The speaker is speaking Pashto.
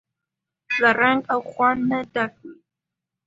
له رنګ او خوند نه ډکه وي.